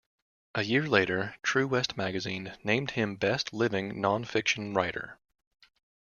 A year later, "True West Magazine" named him "Best Living Non-fiction Writer".